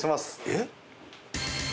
えっ？